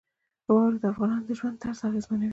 واوره د افغانانو د ژوند طرز اغېزمنوي.